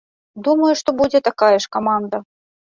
Думаю, што будзе такая ж каманда.